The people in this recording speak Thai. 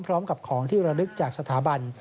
พร้อมกับของที่ระลึกจากสถาบัน